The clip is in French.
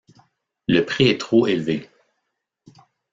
Le prix est trop élevé.